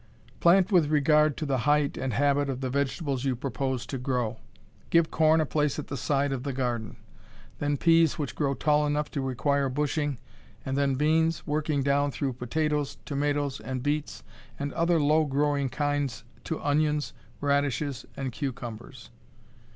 Plant with regard to the height and habit of the vegetables you propose to grow. Give corn a place at the side of the garden. Then peas which grow tall enough to require bushing, and then beans, working down through potatoes, tomatoes, and beets and other low growing kinds to onions, radishes, and cucumbers.